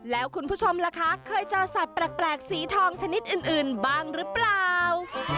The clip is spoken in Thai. แล้วคุณผู้ชมล่ะคะเคยเจอสัตว์แปลกสีทองชนิดอื่นบ้างหรือเปล่า